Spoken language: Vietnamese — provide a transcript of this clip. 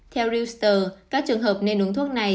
theo reuters các trường hợp nên uống thuốc này